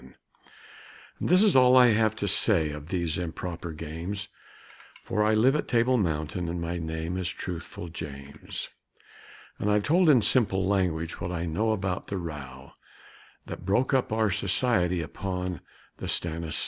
And this is all I have to say of these improper games, For I live at Table Mountain, and my name is Truthful James; And I've told in simple language what I know about the row That broke up our Society upon the Stanislow.